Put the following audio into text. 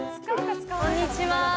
こんにちは。